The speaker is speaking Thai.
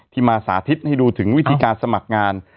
มาสาธิตให้ดูถึงวิธีการสมัครงาน